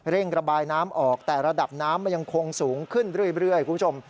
ระบายน้ำออกแต่ระดับน้ำมันยังคงสูงขึ้นเรื่อยคุณผู้ชม